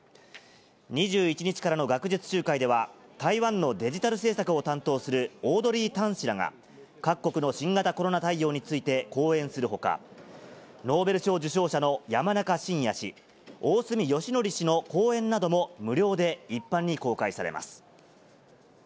２１日からの学術集会では、台湾のデジタル政策を担当するオードリー・タン氏らが、各国の新型コロナ対応について講演するほか、ノーベル賞受賞者の山中伸弥氏、大隅良典氏の講演なども、無料で一般に公開されます。